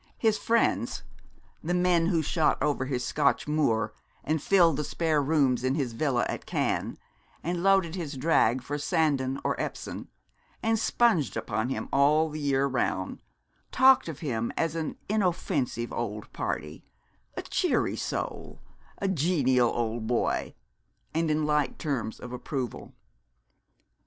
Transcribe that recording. His friends, the men who shot over his Scotch moor, and filled the spare rooms in his villa at Cannes, and loaded his drag for Sandown or Epsom, and sponged upon him all the year round, talked of him as 'an inoffensive old party,' 'a cheery soul,' 'a genial old boy,' and in like terms of approval.